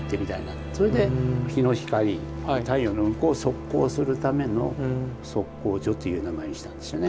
それで日の光太陽の運行を測候するための測候所という名前にしたんですよね。